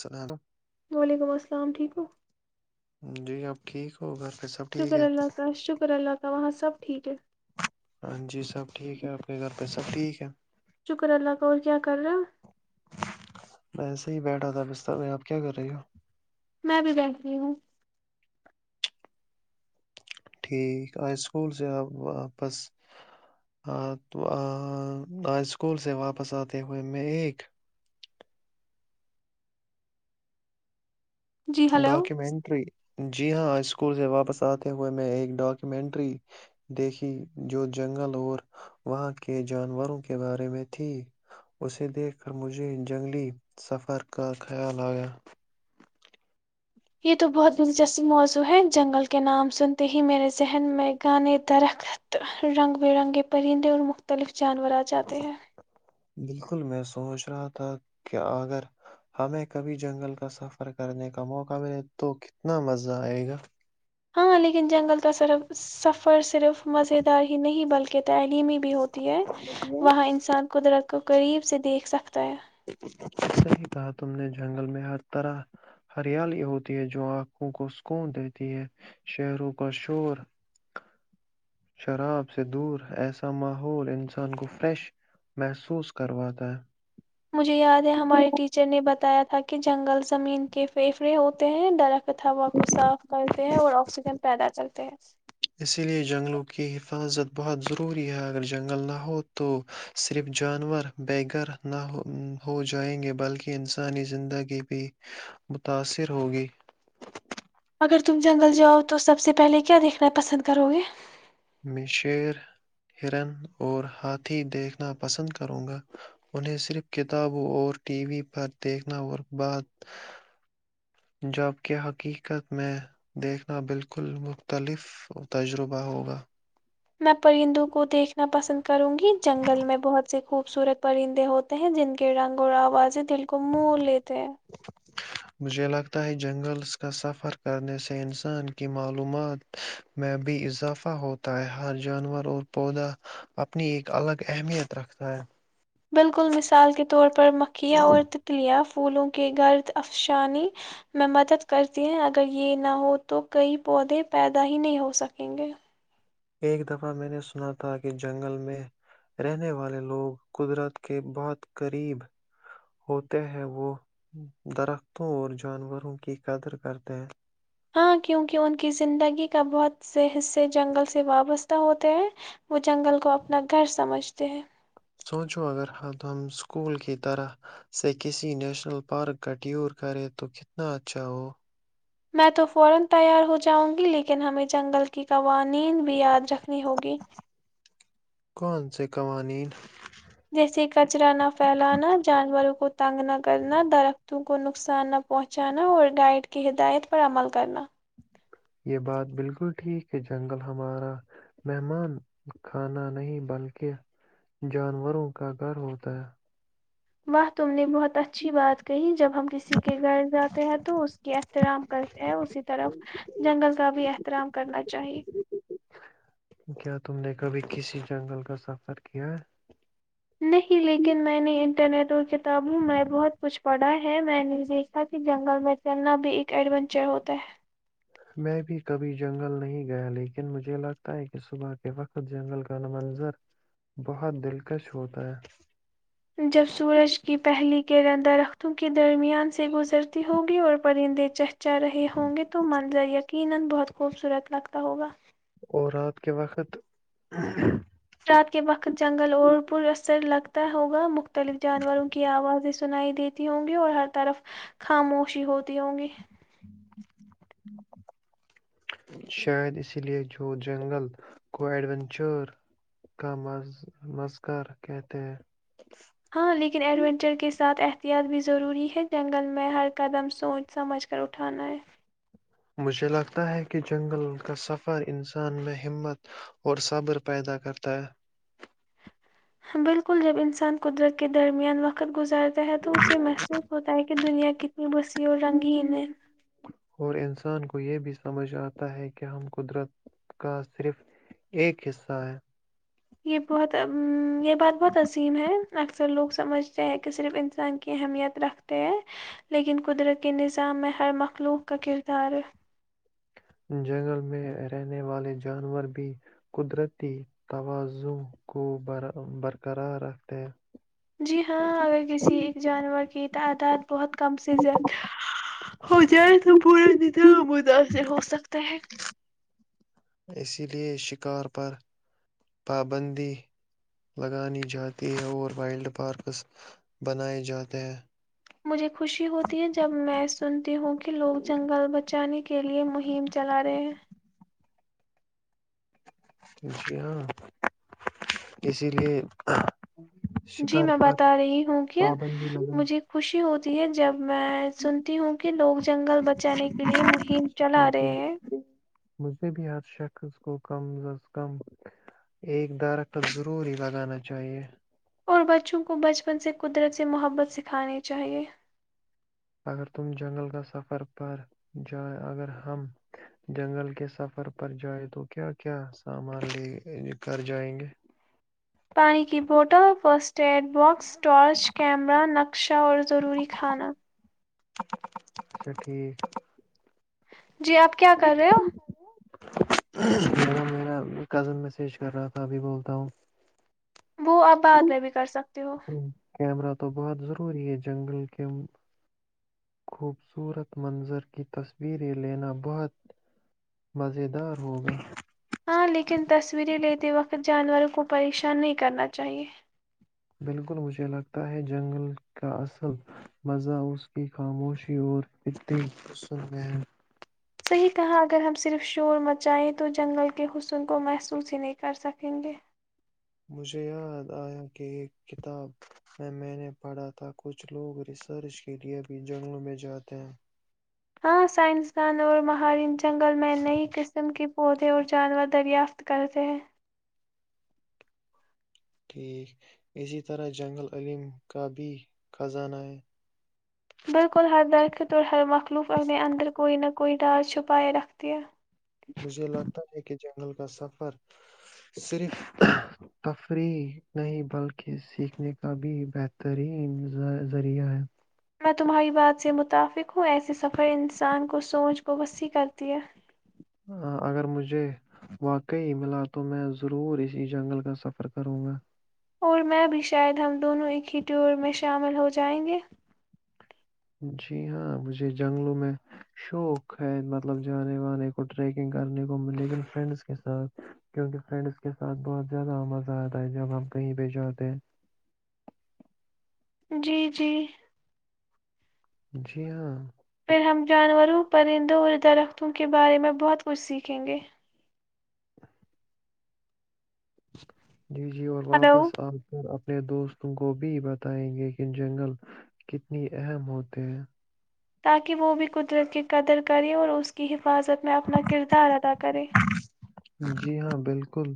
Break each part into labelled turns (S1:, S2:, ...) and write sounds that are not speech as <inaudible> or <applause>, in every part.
S1: سلام
S2: وعلیکم السلام ٹھیک کو ہو
S1: جی اپ ٹھیک ہو گگر
S2: شکر اللہ تا شکر اللہ تا وہاں سے سب ٹھیک ہے
S1: ہاں جی سب ٹھیک ہے اپنے گھر پہ سب ٹھیک ہے
S2: شکر اللہ کاور کیا کر رہا
S1: دادا بستر میں آپ کیا کر رہی ہو
S2: میں بھی بیٹھتی ہوں
S1: ٹھیک آ اسکول سے واپس اسکول سے واپس آتے ہوئے میں ایک
S2: جی ہلو
S1: ڈاکیومینٹری جی ہاں اسکول سے واپس آتے ہوئے میں ایک ڈاکومینٹری دیکھی جو جنگل اور وہاں کے جانوروں کے بارے میں تھی اسے دیکھ کر مجھے جنگلی سفر کا خیال آیا
S2: یہ تو بہت دلچسپ موضوع ہے جنگل کے نام سنتے ہی میرے ذہن میں گانے درخت رنگ برنگے پرندے اور مختلف جانور آ جاتے ہیں
S1: بالکل میں سوچ رہا تھا کہ اگر ہمیں کبھی جنگل کا سفر کرنے کا موقع ملے تو کتنا مزہ آئے گا
S2: ہاں لیکن جنگل تو سرف سف پر صرف مزے دار ہی نہیں بلکہ تعلیمی بھی ہوتی ہے وہاں انسان کو درخ کو قریب سے دیکھ سکتا ہے
S1: سی کہا تم نے جنگل میں ہر طرح ہریالی ہوتی ہے جو آنکھوں کو سک دیتی ہے شہروں کا شور شراب سے دور ایسا ماحول انسان کو فریش محسوس کرواتا ہے
S2: مجھے یاد ہے ہمارے ٹیچر نے بتا بتایا تھا کہ جنگل زمین کے فھیفڑے ہوتے ہیں ڈرخ تا کو صاف کرتے ہیں اور آکسیجن پیدا کرتے ہیں ج <inaudible>
S1: اسی لئے جنگلوں کی حفاظت بہت ضروری ہے اگر جنگل نہ ہو تو صرف جانور ب گگر نہ ہو جائیں گے بلکہ انسانی زندگی بھی متاثر ہوگی
S2: اگر تم جنگل جاؤ تو سب سے پہلے کیا دیکھنا پسند کرو گے
S1: میں شیر ہرن اور ہاتھی دیکھنا پسند کروں گا انہیں صرف کتابوں اور ٹی وی پر دیکھنا اور بعد جب کہ حقیقت میں دیکھنا بالکل مختلف تجربہ ہو گا
S2: میں پرندوں کو دیکھنا پسند کروں گی جنگل میں بہت سے خوبصورت پرندے ہوتے ہیں جن کے رنگ اور آوازیں دل کو مہ لیتے ہیں
S1: مجھے لگتا ہے جنگلس کا سفر کرنے سے انسان کی معلومات میں بھی اضافہ ہوتا ہے ہر جانور اور پودا اپنی ایک الگ اہمیت رکھتا ہے
S2: بالکل مثال کے طور پر پر مکھیا اور تتلیہں پھولوں کے گرد افسانی میں مدد کرتی ہیں اگر یہ نہ ہو تو کئی پودے پیدا ہی نہیں ہو سکیں گے
S1: ایک دفعہ میں نے سنا تھا کہ جنگل میں رہنے والے لوگ قدرت کے بہت قریب ہوتے ہیں وہ درختوں اور جانوروں کی قدر کرتے ہیں
S2: ہاں کیونکہ ان کی زندگی کا بہت سے حصے جنگل سے وابستہ ہوتے ہیں وہ جنگل کو اپنا گھر سمجھتے ہیں
S1: سوچو اگر ہ ہم اسکول کی طرح سے کسی نیشنل پارک کا ٹیور کریں تو کتنا اچھا ہو
S2: میں تو فورا تیار ہو جاؤوں گی لیکن ہمیں جنگل کے قوانین بھی یاد رکھنی ہوگی
S1: کون سے قوانین
S2: جیسے کچرا نہ پھیلانا جانوروں کو تنگ نہ کرنا درختوں کو نقصان نہ پہنچانا اور گائیڈ کی ہدایت پر عمل کرنا
S1: یہ بات بالکل ٹھیک کہ جنگل ہمارا مہمان کھانا نہیں بلکہ جانوروں کا گھر ہوتا ہے
S2: واہ تم نے بہت اچھی بات کہیں جب ہم کسی کے گھر جاتے ہیں تو اس کی احترام کرتے ہیں اسی طرف جنگل کا بھی احترام کرنا چاہیے
S1: کیا تم نے کبھی کسی جنگل کا سفر کیا
S2: نہیں لیکن میں نے انٹرنیٹ اور کتابوں میں بہت کچھ پڑھا ہے میں نے دیکھا کہ جنگل میں چلنا بھی ایک ایڈونچر ہوتا ہے
S1: میں بھی کبھی جنگل نہیں گیا لیکن مجھے لگتا ہے کہ صبح کے وقت جنگل کا ن منظر بہت دلکش ہوتا ہے
S2: جب سورج کی پہلی کر درختوں کے درمیان سے گزرتی ہوگی اور پرندے چہتے چ رہے ہوں گے تو من جائیے کہ <inaudible>
S1: اور رات کے وقت
S2: رات کے وقت جنگل اور پر اثر لگتا ہوگا مت مختلف جانوروں کی آواز سنائی دیتی ہوں گی اور ہر طرف خاموشی ہوتی ہوں گی
S1: شاید اسی لیے جو جنگل کو ایڈونچر کا م مذکار کہتے ہیں
S2: ہاں لیکن ایڈوونچر کے ساتھ احتیاط بھی ضروری ہے جنگل میں ہر قدم سوچ سمجھ کر اٹھانا ہے
S1: مجھے لگتا ہے کہ جنگل کا سفر انسان میں ہمت اور صبر پیدا کرتا ہے
S2: بالکل جب انسان قدرت کے درمیان وقت گزر جاتا ہے تو اسے محسوس ہوتا ہے کہ کہ دنیا کیت بس یہ وہ رنگ ہینے
S1: <inaudible>
S2: یہ بہت یہ بات بہت عظیم ہے اکثر لوگ سمجھتے ہیں کہ صرف انسان کی اہمیت رکھتے ہیں لیکن قدرت کے نظام میں ہر مخلوق کا کردار ہے
S1: جنگل میں رہنے والے جانور بھی قدرتی توازوں کو برقرار رکھتے ہیں
S2: جی ہاں اگر کسی ایک جانور کی تعداد بہت کم سزت ہو جائے تو پورا دظ ادا سے ہو سکتا ہے
S1: اسی لیے شکار پر پابندی لگانی جاتی ہے اور وائلڈ پارکس بنائے جاتے ہیں
S2: مجھے خوشی ہوتی ہے جب میں سنتی ہوں کہ لوگ جنگل بچانے کے لیے مہم چلا رہے ہیں
S1: جی ہاں اسی لیے
S2: جی
S1: شکار
S2: میں
S1: پر
S2: بتا رہی ہوں کہ
S1: پابندی لگانی
S2: مجھے خوشی ہوتی جے جب میں سنتی ہوں کہ لوگ جنگل بچانے کے لیے مہم چلا
S1: ٹھیک
S2: رہے
S1: ٹھیک
S2: ہیں
S1: مجھے بھی ہر شخص کو کم از کم ایک دارخت ضروری لگانا چاہیے
S2: اور بچوں کو بچپن سے قدرت سے محبت سکھانی چاہیئے
S1: اگر تم جنگل کا سفر پر ج اگر ہم جنگل کے سفر پر جائ تو کیا کیا سامان ل کر جائیں گے
S2: پانی کی bottle first aid box torch camera نقش چاور ضروری کھانا
S1: اچھا ٹھیک
S2: جی آپ کیا کر رہے ہو
S1: میرا کزن میسیج کر رہا تھا ابھی بولتا ہوں
S2: وہ اپ بعد میں بھی کر سکتے ہو
S1: ہوں، کیمرہ تو بہت ضروری ہے جنگل کے خوبصورت منظر کی تصویریں لینا بہت مزیدار ہو گئے
S2: ہاں لیکن تصویریں لیتے وقت جانوروں کو پریشان نہیں کرنا چاہیے
S1: بالکل مجھے لگتا ہے جنگل کا اصل مزہ اس کی خاموشی اور فد غصل میں ہے
S2: صحیح کہا اگر ہم صرف شور مچائیں تو جنگل کے حسن کو محسوس ہی نہیں کر سکیں گے
S1: مجھے یاد آیا کہ ایک کتاب میں میں نے پڑھا تھا کچھ لوگ ریسرچ کے لیئے بھی جنگلوں میں جاتے ہیں
S2: ہاں سائنسدان اور مہار جنگل میں نئی قسم کی پودے اور جانور دریافت کرتے ہیں
S1: ٹھیک، اسی طرح جنگل علم کا بھی خزانہ ہے
S2: بالکل ہر درخ توور ہر وقت تکلف اندر کوئی نہ کوئی ڈار چھپائے رکھتی ہے
S1: مجھے لگتا ہے کہ جنگل کا سفر صرف تفریح نہیں بلکہ سیکھنے کا بھی بہترین ذریعہ ہے
S2: میں تمہاری بات سے متفق ہوں ایسے سفر انسان کو سوچ کو وسیع کرتی ہے
S1: اگر مجھے واقعی ملا تو میں ضرور اسی جنگل کا سفر کروں گا
S2: اور میں بھی شاید ہم دونوں ایک ہی ٹیور میں شامل ہو جائیں گے
S1: جی ہاں مجھے جنگلوں میں شوق ہے مطلب جانے وانے کو ٹریکنگ کرنے کو لیکن فرینڈس کے ساتھ کیونکہ فرینڈس کے ساتھ بہت زیادہ مزہ آتا ہے جب ہمپ کہیں پہ جاتے ہیں
S2: جی جی
S1: جی ہاں
S2: پھر ہم جانوروں پرندوں اور درختوں کے بارے میں بہت کچھ سیکھیں گے
S1: جی جی اور
S2: ہلو
S1: واپس آ کر اپ اپنے دوستوں کو بھی بتائیں گے کہ جنگل کتنی اہم ہوتے ہیں
S2: تاکہ وہ بھی قدرت کی قدر کریں اور اس کی حفاظت میں اپنا کردار ادا کرے
S1: جی ہاں بالکل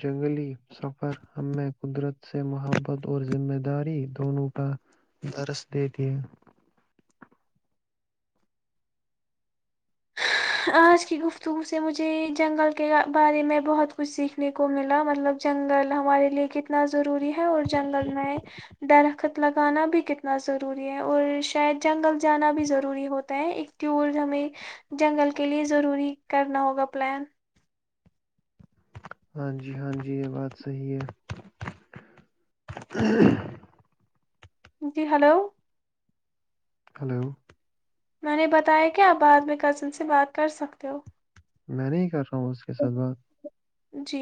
S1: جنگلی سفر ہمیں قدرت سے محبت اور ذمہ داری دونوں پر درس دیتی ہے
S2: آج کی گفتگو سے مجھے جنگل کے بارے میں بہت کچھ سیکھنے کو ملا مطلب جنگل ہمارے لیے کتنا ضروری ہے اور جنگل میں درخت لگانا بھی کتنا ضروری ہے اور شاید جنگل جانا بھی ضروری ہوتا ہے ایک ٹیور ہمیں جنگل کے لیے ضروری کرنا ہوگا پلان
S1: ہاں جی ہاں جی یہ بات صحی ہے
S2: جی ہلو
S1: ہلو
S2: میں نے بتایا کہ آپ بعد میں کزن سے بات کر سکتے ہو
S1: میں نہیں کر رہا ہوں اس کے ساتھ بات
S2: جی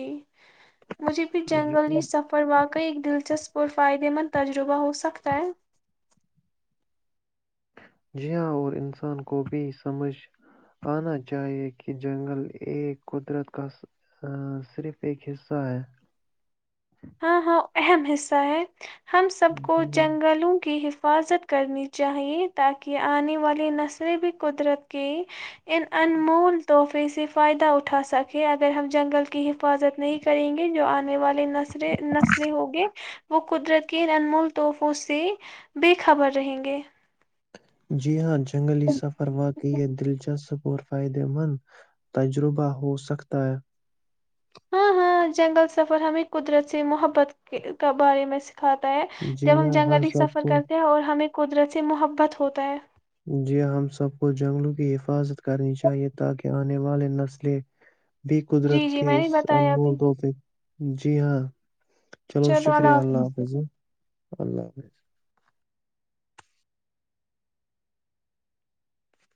S2: مجھے بھی جنگل یہ سفر واقعی ایک دلچسپ اور فائدے مند تجربہ ہو سکتا ہے
S1: جی ہاں اور انسان کو بھی سمجھ انا چاہیے کہ جنگل ایک قدرت کا صرف ایک حصہ
S2: ہاں ہاں اہم حصہ ہے ہم سب کو
S1: جی ہاں
S2: جنگلوں کی ح حفاظت کرنی چاہیے تاکہ آنے والی نسلیں بھی قدرت کے ان انمول تحفے سے فائدہ اٹھا سکے اگر ہم جنگل کی حفاظت نہیں کریں گے جو آنے والے نسل نسلیں ہوںگے وہ قدرت کے انمول تحفوں سے بے خبر رہیں گے
S1: جی ہاں جی جنگلی سفر واقعی یہ دلچسپ اور فائدہ مند تجربہ ہو سکتا ہے
S2: ہاں ہاں جنگل سفر ہمیں قدرت سے محبت کے بارے میں کھاتا ہے
S1: جی
S2: جب ہم
S1: ہاں
S2: جنگلی
S1: سب
S2: سفر
S1: کو
S2: کرتے ہیں اور ہمیں قدرتی محبت ہوتا ہے
S1: جی ہم سب کو جنگلوں کی حفاظت کرنی چاہیے تاکہ آنے والی نسلیں بھی
S2: جی
S1: قدرت
S2: جی
S1: کے
S2: میں نے
S1: اس
S2: بتایا ابھی
S1: انمول طور پہ جی ہاں
S2: چلو اللہ حافظ
S1: اللہ حافظ